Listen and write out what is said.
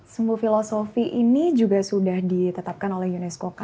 semua filosofi ini juga sudah ditetapkan oleh unescok